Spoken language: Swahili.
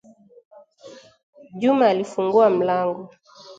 Juma alifungua mlango